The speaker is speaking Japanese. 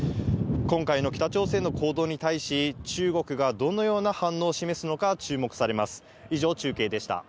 今回の北朝鮮の行動に対し、中国がどのような反応を示すのか、注目されます。